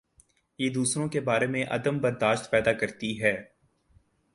یہ دوسروں کے بارے میں عدم بر داشت پیدا کر تی ہے۔